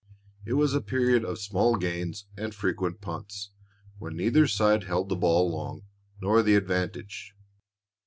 It was a period of small gains and frequent punts, when neither side held the ball long, nor the advantage.